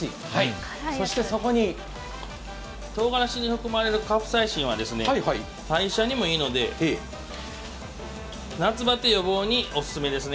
とうがらしに含まれるカプサイシンは代謝にもいいので夏バテ予防にお勧めですね。